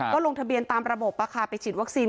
ก็ลงทะเบียนตามระบบไปฉีดวัคซีน